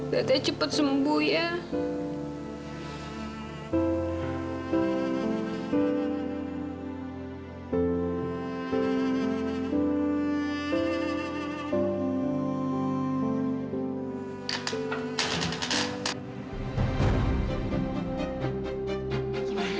datanya cepet sembuh ya